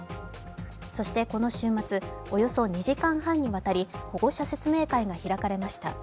そしてこの週末、およそ２時間半にわたり保護者説明会が開かれました。